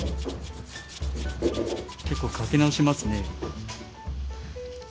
結構描き直しますね。